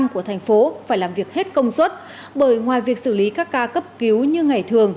một một năm của thành phố phải làm việc hết công suất bởi ngoài việc xử lý các ca cấp cứu như ngày thường